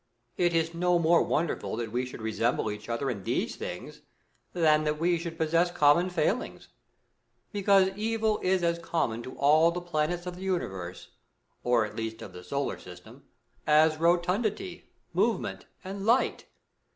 It is no more wonderful that we should resemble each other in these things, than that we should possess common failings ; because evil is as common to all the planets of the universe, or at least of the solar system, as rotundity, movement, and light.